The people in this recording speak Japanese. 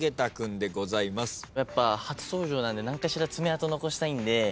やっぱ初登場なんで何かしら爪痕残したいんで。